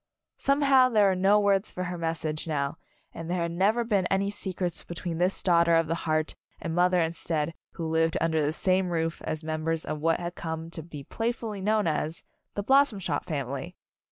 Somehow there were no words for her message now, and there had never been any secrets between this daughter of the heart and mother instead who had lived under the same roof as members of what had come to be playfully known as "The Blossom Shop Family."